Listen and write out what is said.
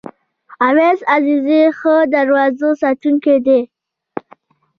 اویس عزیزی ښه دروازه ساتونکی دی.